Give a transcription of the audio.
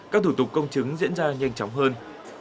các thủ tục công chứng diễn ra nhanh chóng hơn